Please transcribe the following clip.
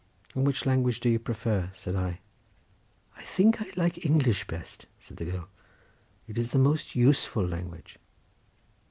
"And which language do you prefer?" said I. "I think I like English best," said the girl, "it is the most useful language."